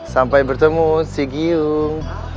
sampai bertemu si giung